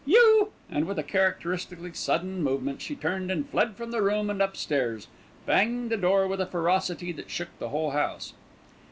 You " and with a characteristically sudden movement, she turned and fled from the room and upstairs, banging the door with a ferocity that shook the whole house.